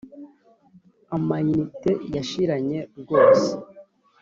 amayinite yashiranye rwose